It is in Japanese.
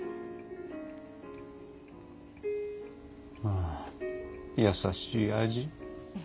あ優しい味。